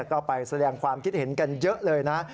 ก็ไปแสดงความคิดเห็นกันเยอะเลยนะ